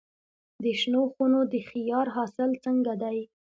د شنو خونو د خیار حاصل څنګه دی؟